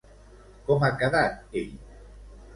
Com ha quedat ell?